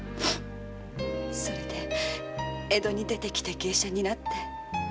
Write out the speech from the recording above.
それで江戸に出てきて芸者になって。